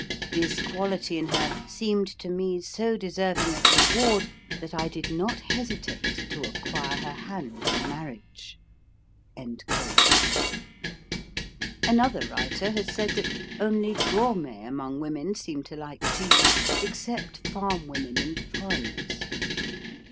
This quality in her seemed to me so deserving of reward that I did not hesitate to acquire her hand in marriage. Another writer has said that "only gourmets among women seem to like cheese, except farm women and foreigners."